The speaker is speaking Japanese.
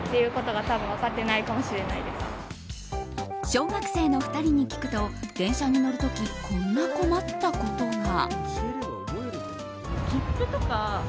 小学生の２人に聞くと電車に乗る時こんな困ったことが。